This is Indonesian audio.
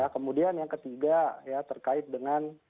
kemudian yang ketiga ya terkait dengan